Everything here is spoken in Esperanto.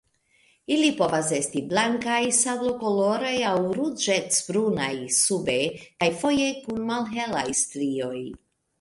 Ili povas esti blankaj, sablokoloraj aŭ ruĝecbrunaj sube, kaj foje kun malhelaj strioj.